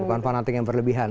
bukan fanatik yang berlebihan